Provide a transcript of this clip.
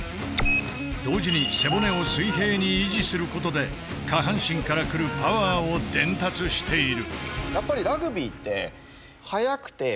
同時に背骨を水平に維持することで下半身からくるパワーを伝達している。